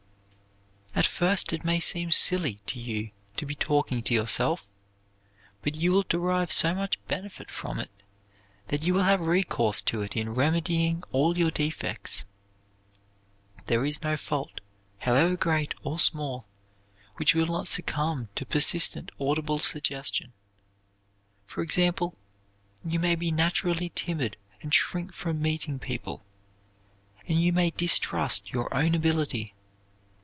At first it may seem silly to you to be talking to yourself, but you will derive so much benefit from it that you will have recourse to it in remedying all your defects. There is no fault, however great or small, which will not succumb to persistent audible suggestion. For example, you may be naturally timid and shrink from meeting people; and you may distrust your own ability.